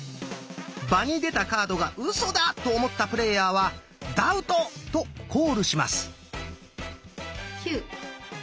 場に出たカードが「ウソだ」と思ったプレーヤーは「ダウト」とコールします。